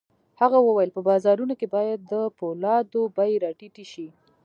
هغه وویل په بازارونو کې باید د پولادو بيې را ټیټې شي